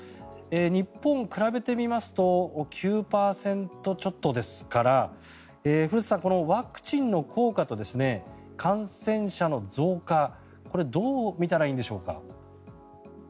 日本を比べてみますと９％ちょっとですから古瀬さんこのワクチンの効果と感染者の増加、これはどう見たらいいんでしょうか。